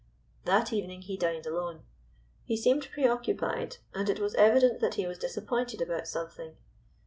That evening he dined alone. He seemed pre occupied, and it was evident that he was disappointed about something.